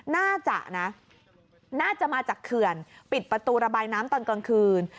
น่าจะนะน่าจะมาจากเขื่อนปิดประตูระบายน้ำตอนกลางคืน